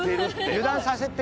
油断させて。